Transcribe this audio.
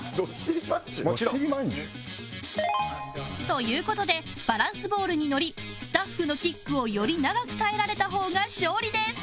という事でバランスボールに乗りスタッフのキックをより長く耐えられた方が勝利です